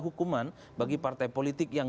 hukuman bagi partai politik yang